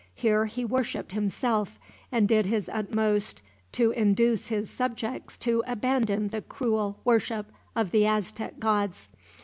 Here he worshiped, himself, and did his utmost to induce his subjects to abandon the cruel worship of the Aztec gods.